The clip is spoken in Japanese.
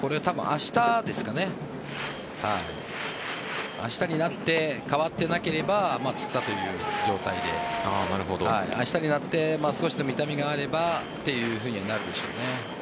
明日になって変わってなければつったという状態で明日になって少しでも痛みがあればというふうにはなるでしょうね。